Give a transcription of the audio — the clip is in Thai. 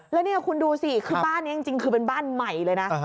แล้วนี่คุณดูสิคือบ้านนี้จริงคือเป็นบ้านใหม่เลยนะ